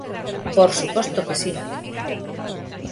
Por suposto que si.